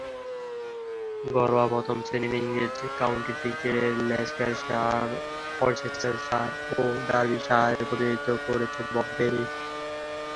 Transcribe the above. ঘরোয়া প্রথম-শ্রেণীর ইংরেজ কাউন্টি ক্রিকেটে ল্যাঙ্কাশায়ার, ওরচেস্টারশায়ার ও ডার্বিশায়ারের প্রতিনিধিত্ব করেছেন বব বেরি।